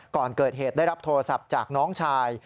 ก่อนเกิดเหตุได้รับโทรศัพท์จากน้องชาย